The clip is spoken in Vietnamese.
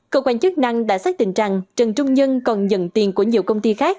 cơ quan chức năng đã xác định rằng trần trung nhân còn nhận tiền của nhiều công ty khác